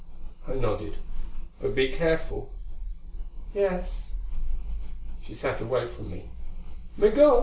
I nodded. "But be careful." "Yes." She sat away from me. "Migul!"